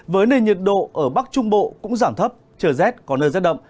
với nền nhiệt độ ở bắc trung bộ cũng giảm thấp trời rét có nơi rét đậm